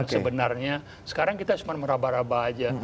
yang benarnya sekarang kita cuma meraba raba aja